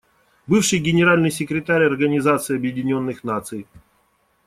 Бывший Генеральный секретарь Организации Объединенных Наций.